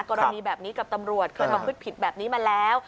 กรณีแบบนี้กับตำรวจเคยมาพึดผิดแบบนี้มาแล้ว